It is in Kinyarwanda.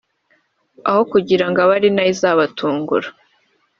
aho kugira ngo abe ari yo izabatungura